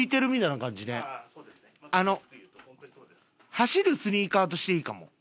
走るスニーカーとしていいかも。